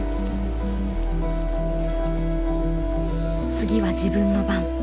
次は自分の番。